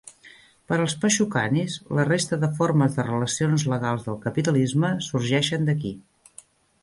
Per als pashukanis, la resta de formes de relacions legals del capitalisme sorgeixen d'aquí.